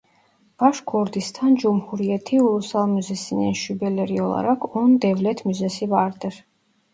Başkurdistan Cumhuriyeti Ulusal Müzesi'nin şubeleri olarak on devlet müzesi vardır.